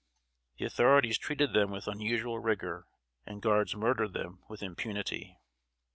The authorities treated them with unusual rigor, and guards murdered them with impunity.